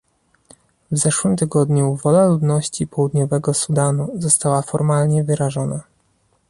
W zeszłym tygodniu wola ludności Południowego Sudanu została formalnie wyrażona